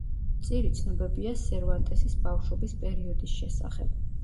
მწირი ცნობებია სერვანტესის ბავშვობის პერიოდის შესახებ.